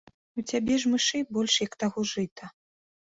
У цябе ж мышэй больш, як таго жыта.